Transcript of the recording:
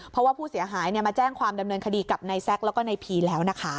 เพราะว่าผู้เสียหายมาแจ้งความดำเนินคดีกับนายแซ็กแล้วก็ในพีแล้วนะคะ